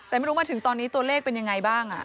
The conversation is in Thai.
แต่ไม่รู้มาถึงตอนนี้ตัวเลขเป็นยังไงบ้าง